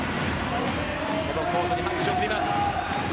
このコートに拍手を送ります。